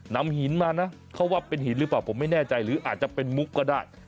นำหินมานะเขาว่าเป็นหินหรือเปล่าผมไม่แน่ใจหรืออาจจะเป็นมุกก็ได้